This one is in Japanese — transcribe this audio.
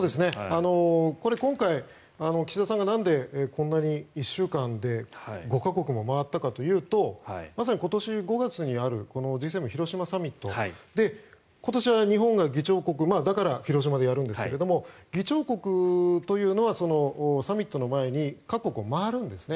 これ、今回岸田さんがなんでこんなに１週間で５か国も回ったかというとまさに今年５月にあるＧ７広島サミットで今年は日本が議長国だから広島でやるんですけども議長国というのはサミットの前に各国を回るんですね。